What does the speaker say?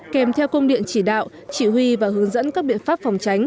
kèm theo công điện chỉ đạo chỉ huy và hướng dẫn các biện pháp phòng tránh